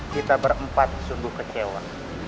kita berempat sungguh kecewa